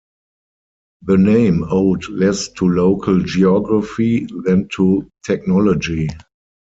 The name owed less to local geography than to technology.